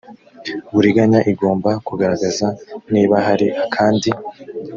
buriganya igomba kugaragaza niba hari akandi